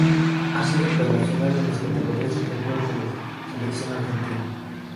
Ha sido internacional en las categorías inferiores de la selección argentina.